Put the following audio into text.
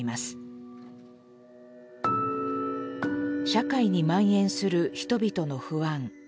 社会にまん延する人々の不安。